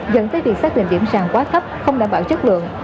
dẫn tới việc xác định điểm sàng quá thấp không đảm bảo chất lượng